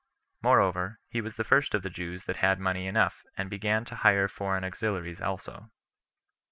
Moreover, he was the first of the Jews that had money enough, and began to hire foreign auxiliaries also.